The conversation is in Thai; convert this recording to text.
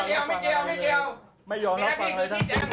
กลับมาดิแปลวงจรปิดประดูกไป